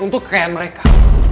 untuk kekayaan mereka